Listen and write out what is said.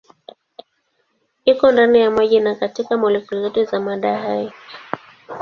Iko ndani ya maji na katika molekuli zote za mada hai.